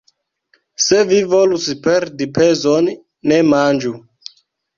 Se vi volus perdi pezon, ne manĝu!